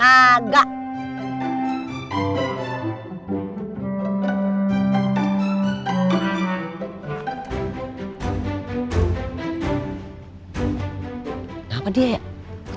mbak mba gabude kan apa universal airport